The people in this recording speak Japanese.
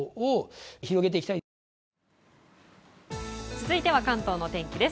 続いては関東のお天気です。